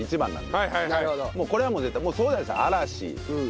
これは絶対そうじゃないですか。